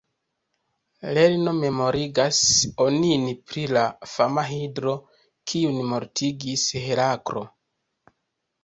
Lerno memorigas onin pri la fama Hidro, kiun mortigis Heraklo.